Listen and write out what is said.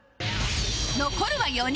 残るは４人